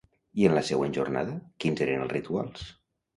I en la següent jornada, quins eren els rituals?